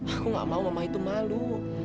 aku gak mau mamah itu malu